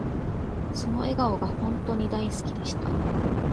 その笑顔が本とに大好きでした